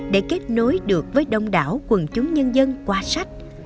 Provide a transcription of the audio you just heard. để kết nối được với đông đảo quần chúng nhân dân qua sách